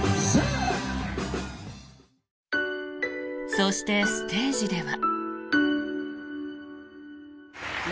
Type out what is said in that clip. そしてステージでは。